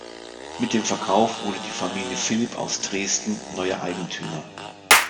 Mit dem Verkauf wurde die Familie Philipp aus Dresden neuer Eigentümer.